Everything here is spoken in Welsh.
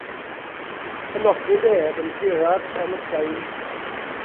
Penodwyd ef yn gurad Helygain.